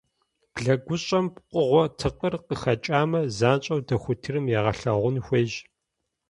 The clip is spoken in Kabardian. Блэгущӏэм пкъыгъуэ тыкъыр къыхэкӏамэ, занщӏэу дохутырым егъэлъэгъун хуейщ.